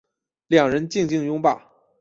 两人静静拥抱